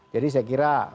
jadi saya kira